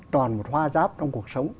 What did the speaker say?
tròn một hoa giáp trong cuộc sống